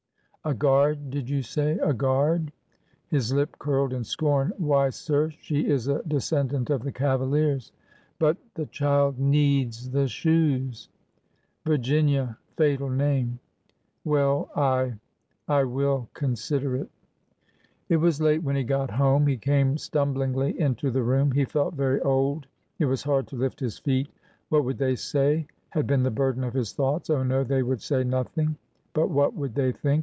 '' A guard, did you say? — a guard?" His lip curled in scorn. ''Why, sir, she is a descendant of the cavaliers! But — the child ^'THE OLD ORDER CHANGETH" 363 needs the shoes. Virginia! fatal name! ... Well, I— I will— consider it/^ It was late when he got home. He came stumblingly into the room. He felt very old— it was hard to lift his feet. What would they say? had been the burden of his thoughts. Oh, no, they would say nothing. But what would they think?